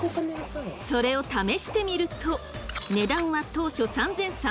それを試してみると値段は当初３，３００円。